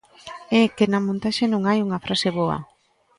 É que na montaxe non hai unha frase boa.